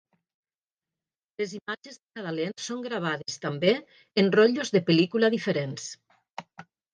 Les imatges de cada lent són gravades, també, en rotllos de pel·lícula diferents.